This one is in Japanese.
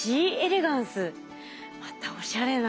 またおしゃれな。